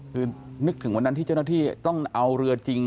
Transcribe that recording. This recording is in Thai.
คือนึกถึงวันนั้นที่เจ้าหน้าที่ต้องเอาเรือจริง